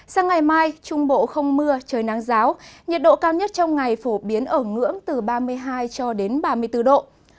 sang ngày mai trung bộ không mưa trời nắng giáo nhiệt độ cao nhất trong ngày phổ biến ở ngưỡng từ ba mươi hai cho đến ba mươi bốn độ